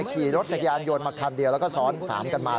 ขี่รถจักรยานยนต์มาคันเดียวแล้วก็ซ้อน๓กันมา